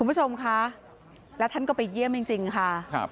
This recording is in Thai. คุณผู้ชมค่ะแล้วท่านก็ไปเยี่ยมจริงค่ะ